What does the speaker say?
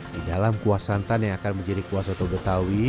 di dalam kuah santan yang akan menjadi kuah soto betawi